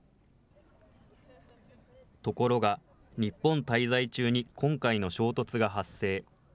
ところが、日本滞在中に今回の衝突が発生。